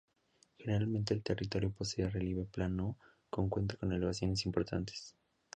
Generalmente el territorio posee relieve plano, no cuenta con elevaciones importantes.